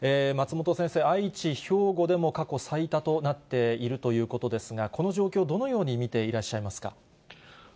松本先生、愛知、兵庫でも過去最多となっているということですが、この状況、どのように見ていらっしゃいますか。